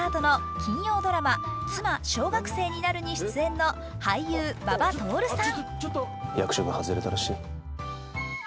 金曜ドラマ「妻、小学生になる」に出演の俳優・馬場徹さん。